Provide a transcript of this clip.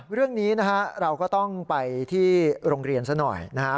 เรื่องนี้นะฮะเราก็ต้องไปที่โรงเรียนซะหน่อยนะฮะ